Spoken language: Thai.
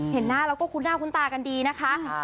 เห็นหน้าแล้วก็คุ้นหน้าคุ้นตากันดีนะคะ